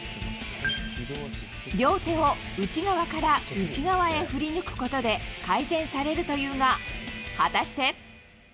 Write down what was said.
両手を内側から内側へ振り抜くことで改善されるというが、果たして。